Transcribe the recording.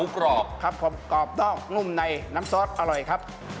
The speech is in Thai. กรอบครับผมกรอบนอกนุ่มในน้ำซอสอร่อยครับ